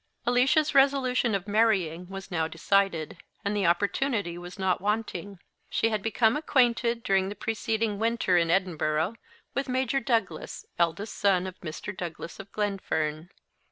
Alicia's resolution of marrying was now decided, and the opportunity was not wanting. She had become acquainted, during the preceding winter in Edinburgh, with Major Douglas, eldest son of Mr. Douglas of Glenfern.